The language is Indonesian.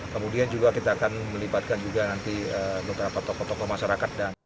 kemudian juga kita akan melibatkan juga nanti beberapa tokoh tokoh masyarakat